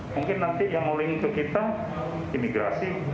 mungkin nanti yang mau link ke kita imigrasi